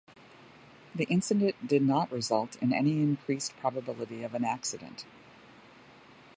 The incident did not result in any increased probability of an accident.